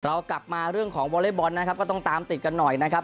เรากลับมาเรื่องของวอเล็กบอลนะครับก็ต้องตามติดกันหน่อยนะครับ